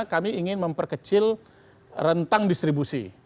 kami ingin memperkecil rentang distribusi